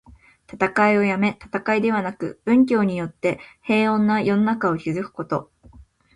戦いをやめ、戦いではなく、文教によって平穏な世の中を築くこと。